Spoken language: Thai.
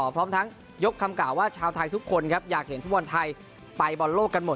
พร้อมทั้งยกคำกล่าวว่าชาวไทยทุกคนครับอยากเห็นฟุตบอลไทยไปบอลโลกกันหมด